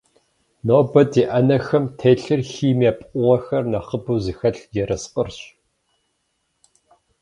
Нобэ ди ӏэнэхэм телъыр химие пкъыгъуэхэр нэхъыбэу зыхэлъ ерыскъырщ.